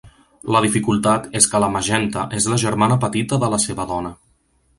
La dificultat és que la Magenta és la germana petita de la seva dona.